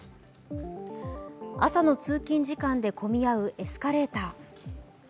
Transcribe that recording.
朝の通勤時間で混み合うエスカレーター。